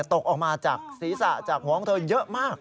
ตกออกมาจากศีรษะจากหัวของเธอเยอะมาก